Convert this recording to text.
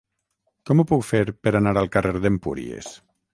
Com ho puc fer per anar al carrer d'Empúries?